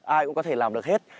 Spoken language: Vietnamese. ai cũng có thể làm được hết